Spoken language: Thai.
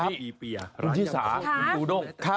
มีที่สามนะค่ะ